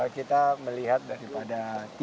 kita melihat daripada